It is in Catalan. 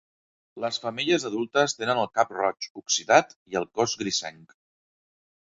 Les femelles adultes tenen el cap roig oxidat i el cos grisenc